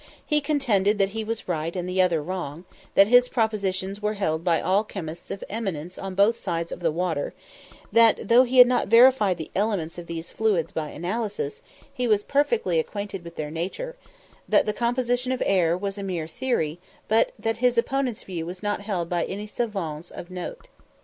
He contended that he was right and the other wrong; that his propositions were held by all chemists of eminence on both sides of the water; that, though he had not verified the elements of these fluids by analysis, he was perfectly acquainted with their nature; that the composition of air was a mere theory, but that his opponent's view was not held by any savans of note.